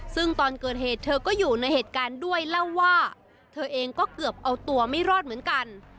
ซึ่งตอนเกิดเหตุเธอก็อยู่ในเหตุการณ์ด้วยเล่าว่าเธอเองก็เกือบเอาตัวไม่รอดเหมือนกัน